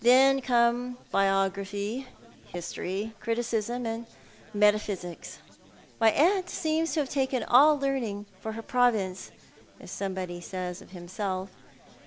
Then come biography, liistory, criticism, metaphysics. My aunt seems to have taken all learning for her ])rovince, as somebody says of himself.